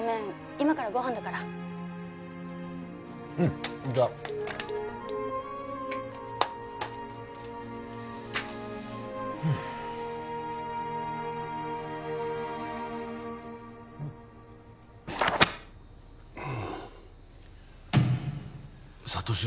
今からご飯だからうんじゃうん里城